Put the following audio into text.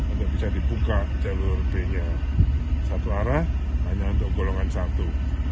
untuk bisa dibuka jalur b nya satu arah hanya untuk golongan satu